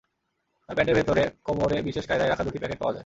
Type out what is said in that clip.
তাঁর প্যান্টের ভেতর কোমরে বিশেষ কায়দায় রাখা দুটি প্যাকেট পাওয়া যায়।